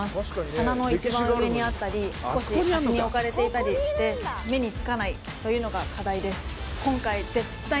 棚の一番上にあったり少し端に置かれていたりして目につかないというのが課題です